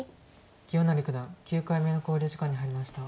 清成九段９回目の考慮時間に入りました。